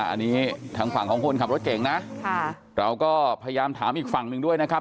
อันนี้ทางฝั่งของคนขับรถเก่งนะเราก็พยายามถามอีกฝั่งหนึ่งด้วยนะครับ